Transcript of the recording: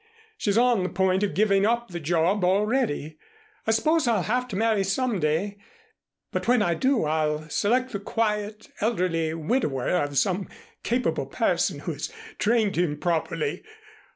She's on the point of giving up the job already. I suppose I'll have to marry some day, but when I do I'll select the quiet, elderly widower of some capable person who has trained him properly.